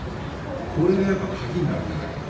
これが鍵になるんじゃないかと。